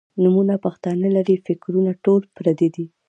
نومونه پښتانۀ لــري فکـــــــــــرونه ټول پردي دي